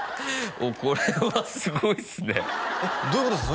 これはすごいっすねどういうことですか？